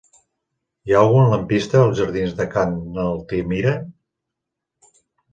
Hi ha algun lampista als jardins de Ca n'Altimira?